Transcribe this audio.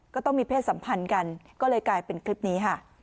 ก็ต้องมีเพศสัมพันธ์กันก็เลยกลายเป็นคลิปนี้ค่ะ